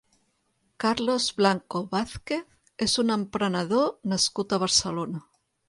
Carlos Blanco Vázquez és un emprenedor nascut a Barcelona.